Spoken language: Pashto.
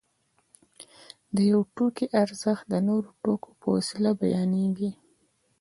د یو توکي ارزښت د نورو توکو په وسیله بیانېږي